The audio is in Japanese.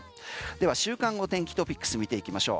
では週間お天気トピックス見ていきましょう。